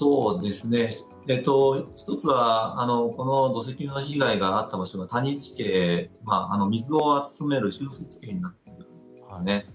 １つはこの土石流の被害があった場所が谷地形、水を集める集水地形になっているんですね。